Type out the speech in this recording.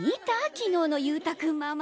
昨日の勇太君ママ。